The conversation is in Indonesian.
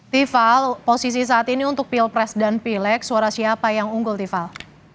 tiva posisi saat ini untuk pilpres dan pileg suara siapa yang unggul tival